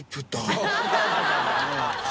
ハハハ